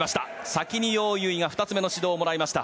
先にヨウ・ユウイが２つ目の指導をもらいました。